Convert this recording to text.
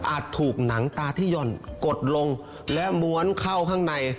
ถูกหนังตาที่หย่อนกดลงและม้วนเข้าข้างใน